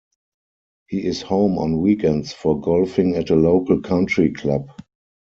He is home on weekends for golfing at a local country club.